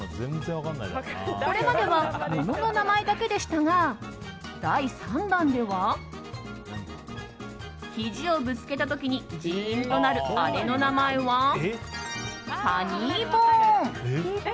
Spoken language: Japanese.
これまでは物の名前だけでしたが第３弾では、ひじをぶつけた時にジーンとなるあれの名前はファニーボーン。